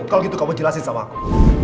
kalau gitu kamu jelasin sama aku